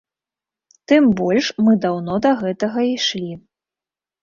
Тым больш мы даўно да гэтага ішлі.